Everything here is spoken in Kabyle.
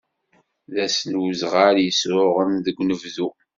D ass n uzɣal yesruɣen deg unebdu.